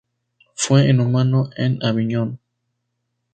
Fue inhumado en Aviñón.